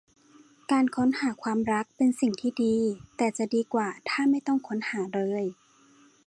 การค้นหาความรักเป็นสิ่งที่ดี แต่จะดีกว่าถ้าไม่ต้องค้นหาเลย